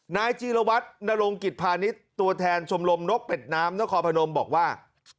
นายจีรวัตนรงกิจพาณิชย์ตัวแทนชมรมนกเป็ดน้ำนครพนมบอกว่า